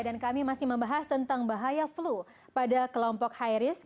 dan kami masih membahas tentang bahaya flu pada kelompok high risk